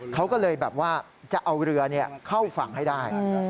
เขาก็เลยแบบว่าจะเอาเรือเข้าฝั่งให้ได้